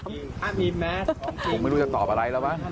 ผมไม่รู้จะตอบอะไรแล้ววะ